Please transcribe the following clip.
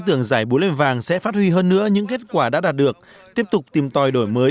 tưởng giải bố lê vàng sẽ phát huy hơn nữa những kết quả đã đạt được tiếp tục tìm tòi đổi mới